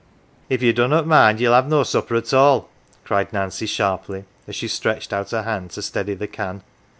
" If ye dunnot mind yell have no supper at all," cried Nancy sharply, as she stretched out her hand to steady the can.